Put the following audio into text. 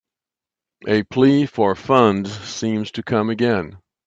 A plea for funds seems to come again.